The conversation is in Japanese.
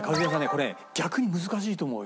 これね逆に難しいと思うよ。